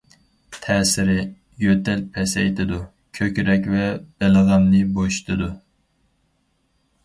تەسىرى: يۆتەل پەسەيتىدۇ، كۆكرەك ۋە بەلغەمنى بوشىتىدۇ.